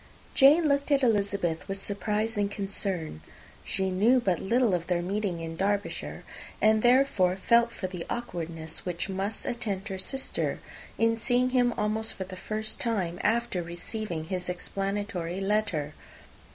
Jane looked at Elizabeth with surprise and concern. She knew but little of their meeting in Derbyshire, and therefore felt for the awkwardness which must attend her sister, in seeing him almost for the first time after receiving his explanatory letter.